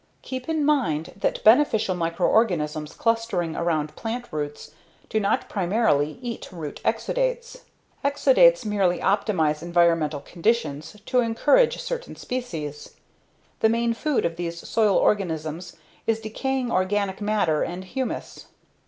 Keep in mind that beneficial microorganisms clustering around plant roots do not primarily eat root exudates; exudates merely optimize environmental conditions to encourage certain species. The main food of these soil organisms is decaying organic matter and humus.